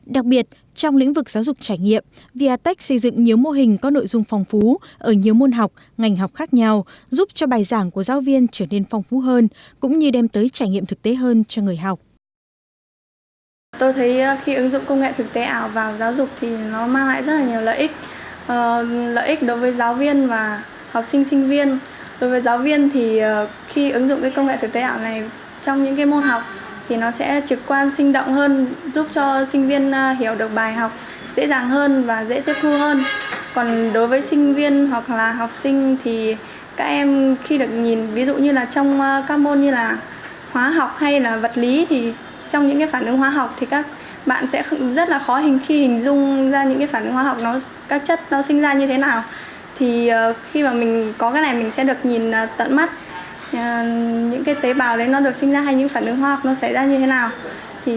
đặc biệt trong lĩnh vực giáo dục trải nghiệm viatech xây dựng nhiều mô hình có nội dung phong phú ở nhiều môn học ngành học khác nhau giúp cho bài giảng của giáo viên trở nên phong phú hơn cũng như đem tới trải nghiệm thực tế hơn giúp cho bài giảng của giáo viên trở nên phong phú hơn cũng như đem tới trải nghiệm thực tế hơn giúp cho bài giảng của giáo viên trở nên phong phú hơn giúp cho bài giảng của giáo viên trở nên phong phú hơn giúp cho bài giảng của giáo viên trở nên phong phú hơn giúp cho bài giảng của giáo viên trở nên phong phú hơn giúp cho bài giảng của gi